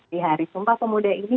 di hari sumpah pemuda ini